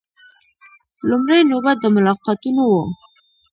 لومړۍ نوبت د ملاقاتونو و.